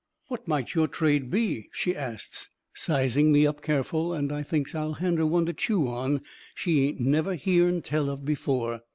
"What might your trade be?" she asts, sizing me up careful; and I thinks I'll hand her one to chew on she ain't never hearn tell of before.